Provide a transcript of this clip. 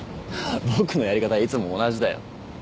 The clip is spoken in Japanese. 僕のやり方はいつも同じだよ。